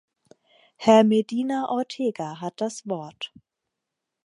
Herr Medina Ortega hat das Wort.